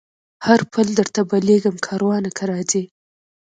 هر پل درته بلېږمه کاروانه که راځې